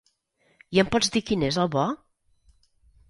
I em pots dir quin és el bo?